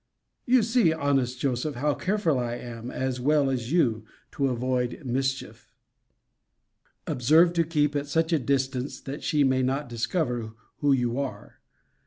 You see, honest Joseph, how careful I am, as well as you, to avoid mischief. Observe to keep at such a distance that she may not discover who you are.